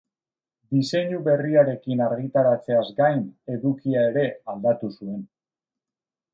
Diseinu berriarekin argitaratzeaz gain, edukia ere aldatu zuen.